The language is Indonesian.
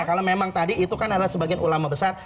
kalau memang tadi itu kan adalah sebagian ulama besar